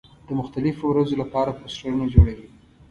د مختلفو ورځو له پاره پوسټرونه جوړوي.